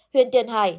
huyện tiền hải chín